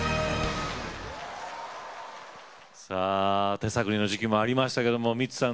手探りの時期もありましたけれども、ミッツさん